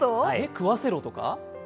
食わせろとか？